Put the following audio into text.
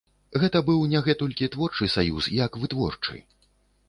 Гэта быў не гэтулькі творчы саюз, як вытворчы.